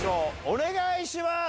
お願いします！